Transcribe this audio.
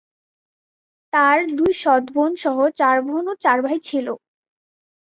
তার দুই সৎ বোন সহ চার বোন ও চার ভাই ছিল।